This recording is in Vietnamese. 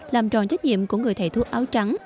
làm tròn trách nhiệm của người thầy thuốc áo trắng